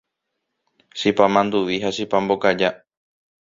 Chipa manduvi ha chipa mbokaja